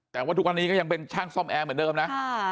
แต่ว่าทุกวันนี้ก็ยังเป็นช่างซ่อมแอร์เหมือนเดิมนะ